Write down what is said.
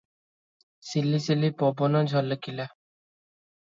ସିଲି ସିଲି ପବନ ଝଲକିଲା ।